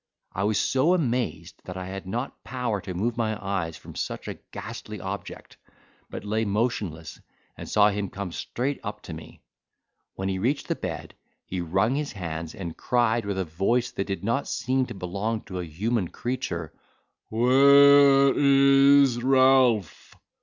I was so amazed that I had not power to move my eyes from such a ghastly object, but lay motionless and saw him come straight up to me: when he reached the bed, he wrung his hands, and cried, with a voice that did not seem to belong to a human creature, "Where is Ralph?"